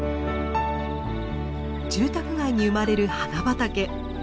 住宅街に生まれる花畑。